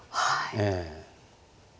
ええ。